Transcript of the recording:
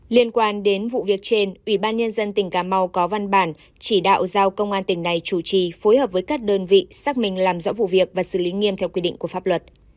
liên quan đến vụ việc trên ủy ban nhân dân tỉnh cà mau có văn bản chỉ đạo giao công an tỉnh này chủ trì phối hợp với các đơn vị xác minh làm rõ vụ việc và xử lý nghiêm theo quy định của pháp luật